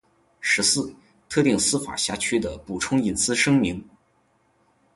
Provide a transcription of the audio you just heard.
十四、特定司法辖区的补充隐私声明